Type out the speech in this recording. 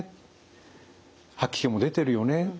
「吐き気も出てるよね」。